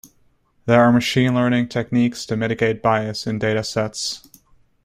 There are machine learning techniques to mitigate bias in datasets.